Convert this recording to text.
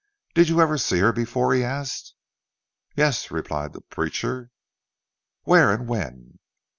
"Did you ever see her before?" he asked. "Yes," replied the preacher. "Where and when?"